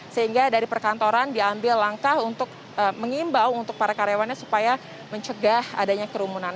sehingga dari perkantoran diambil langkah untuk mengimbau untuk para karyawannya supaya mencegah adanya kerumunan